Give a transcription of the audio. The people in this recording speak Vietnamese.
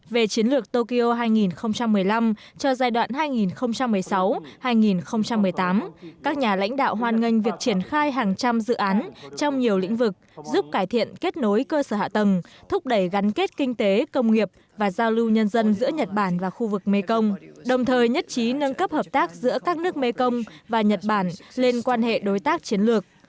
về chiến lược tokyo hai nghìn một mươi năm cho giai đoạn hai nghìn một mươi sáu hai nghìn một mươi tám các nhà lãnh đạo hoan nghênh việc triển khai hàng trăm dự án trong nhiều lĩnh vực giúp cải thiện kết nối cơ sở hạ tầng thúc đẩy gắn kết kinh tế công nghiệp và giao lưu nhân dân giữa nhật bản và khu vực mekong đồng thời nhất trí nâng cấp hợp tác giữa các nước mekong và nhật bản lên quan hệ đối tác chiến lược